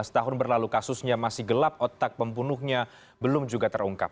tujuh belas tahun berlalu kasusnya masih gelap otak pembunuhnya belum juga terungkap